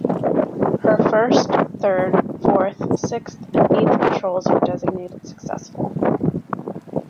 Her first, third, fourth, sixth, and eighth patrols were designated successful.